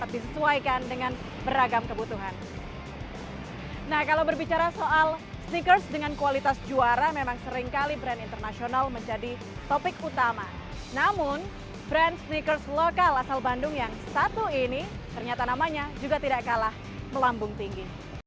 brand sneakers lokal asal bandung yang satu ini ternyata namanya juga tidak kalah melambung tinggi